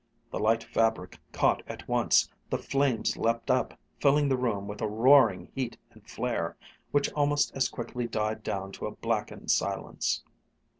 The light fabric caught at once, the flames leaped up, filling the room with a roaring heat and flare, which almost as quickly died down to blackened silence.